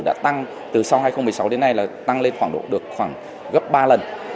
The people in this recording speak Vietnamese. đã tăng từ sau hai nghìn một mươi sáu đến nay là tăng lên khoảng độ được khoảng gấp ba lần